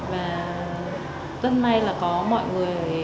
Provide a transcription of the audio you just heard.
và rất may là có mọi người